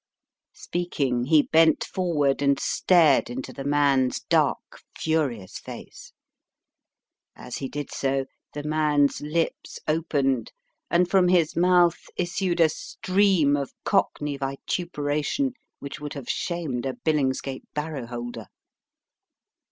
Speaking he bent forward and stared into the man's dark, furious face. As he did so, the man's lips opened, and from his mouth issued a stream of cockney vituperation which would have shamed a Billingsgate barrow holder.